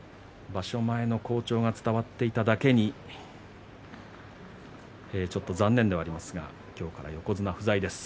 場所前の好調が伝わっていただけにちょっと残念ではありますが今日から横綱不在です。